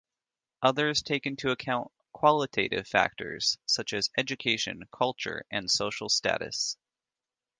Others take into account qualitative factors, such as education, culture, and social status.